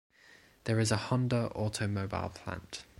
There is a Honda automobile plant.